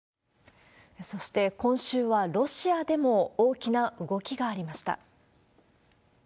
そして、今週はロシアでも大きな動きがありました。